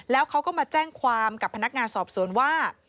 แล้วเขาก็มาแจ้งความกับพนักงานสอบสวนว่า